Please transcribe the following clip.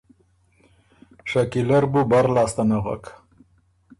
شکیله ر بُو بر لاسته نغک